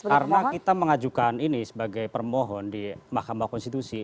karena kita mengajukan ini sebagai permohon di mahkamah konstitusi